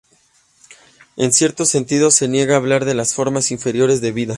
En cierto sentido se niega a hablar de las formas inferiores de vida.